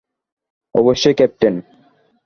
অবশ্যই, ক্যাপ্টেন।